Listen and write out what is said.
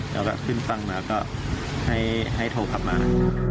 แล้วก็ขึ้นสั่งเหมือนก็ให้โทรกลับมา